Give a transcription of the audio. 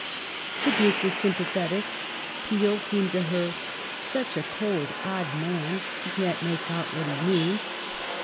The Duke was sympathetic ; Peel seemed to her such a cold, odd man, she can't make out what he means